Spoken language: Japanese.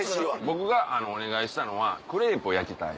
僕がお願いしたのはクレープを焼きたい。